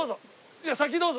いや先どうぞ。